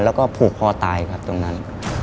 แล้วก็ผูกคอตายครับตรงนั้น